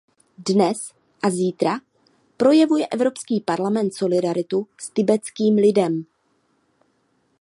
Dnes a zítra projevuje Evropský parlament solidaritu s tibetským lidem.